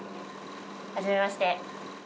はじめまして。